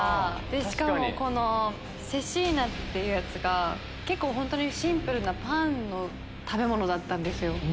しかもセシーナっていうやつが本当にシンプルなパンの食べ物だったんですよ。